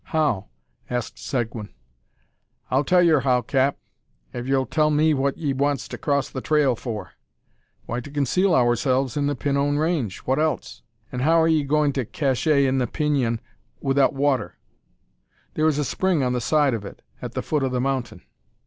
"How?" asked Seguin. "I'll tell yur how, cap, ev yur'll tell me what 'ee wants to cross the trail for." "Why, to conceal ourselves in the Pinon range; what else?" "An' how are 'ee gwine to `cacher' in the Peenyun 'ithout water?" "There is a spring on the side of it, at the foot of the mountain."